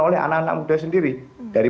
oleh anak anak muda sendiri dari